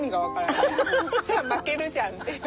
じゃあ負けるじゃんっていう！